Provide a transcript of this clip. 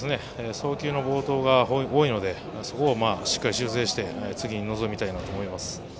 送球の暴投が多いのでそこをしっかり修正して次に臨みたいなと思います。